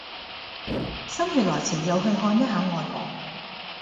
心血來潮又去看一下外婆